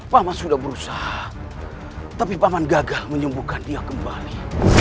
paman sudah berusaha tapi paman gagal menyembuhkan dia kembali